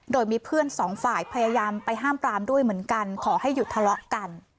โดยมีเพื่อนสองฝ่ายพยายามไปห้ามปรามด้วยเหมือนกันขอให้หยุดทะเลาะกัน